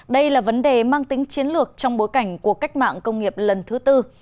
đây là vấn đề mang tính chiến lược trong bối cảnh của cách mạng công nghiệp lần thứ tư